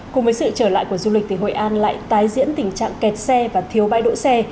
cùng với sự trở lại của du lịch thì hội an lại tái diễn tình trạng kẹt xe và thiếu bãi đỗ xe